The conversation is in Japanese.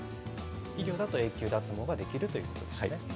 医療だと永久脱毛ができるということですね。